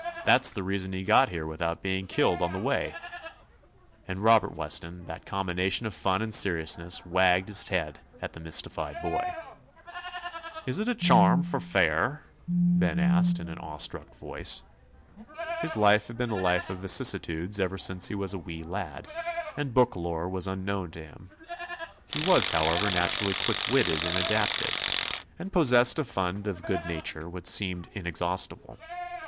That 's the reason he got here without being killed on the way," and Robert Weston, that com bination of fun and seriousness, wagged his head at the mystified boy. "Is it a charm for fair^" Ben asked, in an awe struck voice. His life had been a life of vicissitudes ever since he was a wee lad, and book lore was unknown to him. He was, however, naturally quick witted and adaptive, and possessed a fund of good na ture which seemed inexhaustible.